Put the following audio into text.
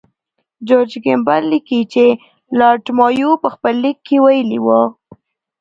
جورج کیمبل لیکي چې لارډ مایو په خپل لیک کې ویلي وو.